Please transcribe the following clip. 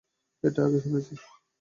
এটা আগেও শুনেছি।